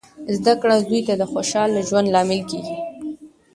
زده کړه زوی ته د خوشخاله ژوند لامل کیږي.